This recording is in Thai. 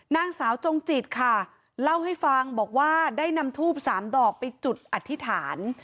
นางสาวจงจิตค่ะเล่าให้ฟังบอกว่าได้นำทูบสามดอกไปจุดอธิษฐาน